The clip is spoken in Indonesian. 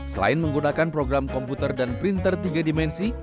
selain menggunakan program komputer dan printer tiga dimensi